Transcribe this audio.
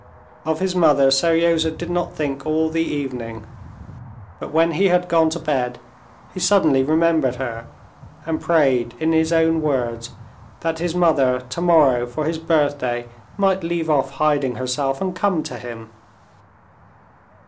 Of his mother Seryozha did not think all the evening, but when he had gone to bed, he suddenly remembered her, and prayed in his own words that his mother tomorrow for his birthday might leave off hiding herself and come to him.